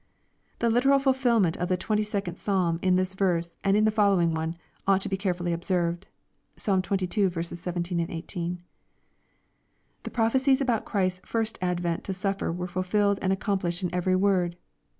The literal fulfilment of the twenty second Psalm in this verse and in the following one, ought to be carefully observed. (Psalra xxii. 17, 18.) The prophecies about Christ's first advent to sufier were fulfilled and accomplished in every word.